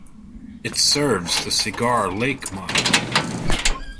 It serves the Cigar Lake Mine.